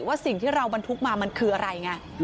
สิ่งที่เราบรรทุกมามันคืออะไรไง